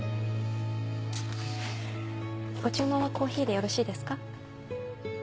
ご注文はコーヒーでよろしいですか？